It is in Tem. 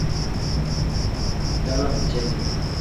Dalam cem.